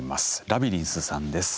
ラビリンスさんです。